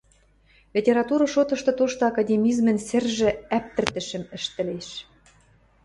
— Литература шотышты тошты академизмӹн сӹржӹ ӓптӹртӹшӹм ӹштӹлеш.